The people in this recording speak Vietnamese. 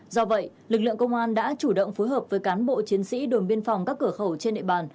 do vậy lực lượng công an đã chủ động phối hợp với cán bộ chiến sĩ đồn biên phòng các cửa khẩu trên địa bàn